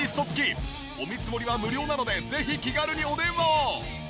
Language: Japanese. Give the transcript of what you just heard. お見積もりは無料なのでぜひ気軽にお電話を！